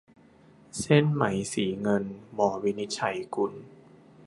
เส้นไหมสีเงิน - ว วินิจฉัยกุล